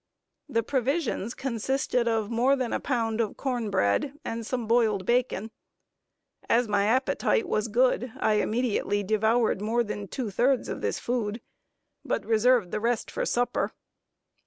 The provisions consisted of more than a pound of corn bread and some boiled bacon. As my appetite was good, I immediately devoured more than two thirds of this food, but reserved the rest for supper.